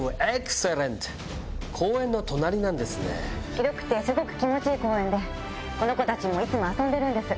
広くてすごく気持ちいい公園でこの子たちも遊んでるんです。